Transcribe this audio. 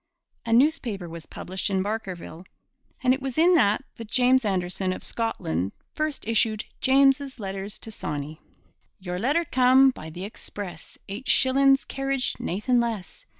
A newspaper was published in Barkerville. And it was in it that James Anderson of Scotland first issued Jeames's Letters to Sawney. Your letter cam' by the express, Eight shillin's carriage, naethin' less!